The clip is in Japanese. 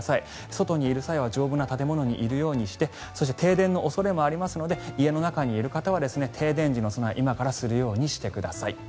外にいる際は丈夫な建物にいるようにして停電の恐れもありますので家の中にいる方は停電時の備えを今からするようにしてください。